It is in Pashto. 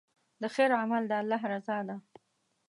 د خیر عمل د الله رضا ده.